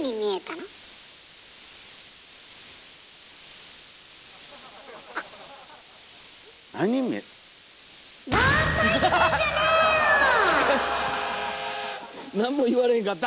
なんも言われへんかった！